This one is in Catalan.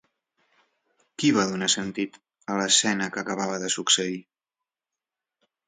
Qui va donar sentit a l'escena que acabava de succeir?